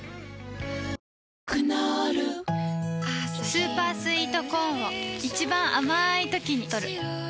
スーパースイートコーンを一番あまいときにとる